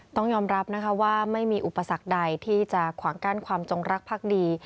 ต้องยอมรับนะคะว่าไม่มีอุปสรรคใดที่จะขวางกั้นความจงรักภักดี